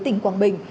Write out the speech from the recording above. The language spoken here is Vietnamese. tỉnh quảng bình